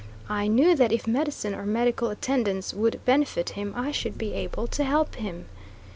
I knew that if medicine or medical attendance would benefit him, I should be able to help him.